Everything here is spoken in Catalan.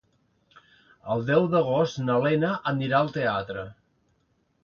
El deu d'agost na Lena anirà al teatre.